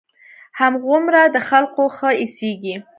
هماغومره د خلقو ښه اېسېږي.